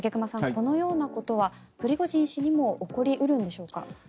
このようなことはプリゴジン氏にも起こり得るんでしょうか。